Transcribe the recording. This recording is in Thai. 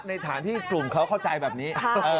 ในฐานที่กลุ่มเขาเข้าใจแบบนี้